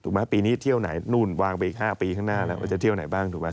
ไหมปีนี้เที่ยวไหนนู่นวางไปอีก๕ปีข้างหน้าแล้วว่าจะเที่ยวไหนบ้างถูกไหม